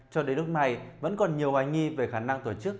cho đến lúc này vẫn còn nhiều hoài nghi về khả năng tổ chức